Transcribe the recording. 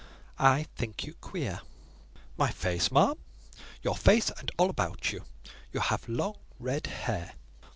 "I think you queer." "My face, ma'am?" "Your face and all about you: You have long red hair."